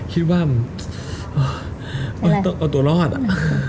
คิดว่ามันต้องเอาตัวรอดอ่ะ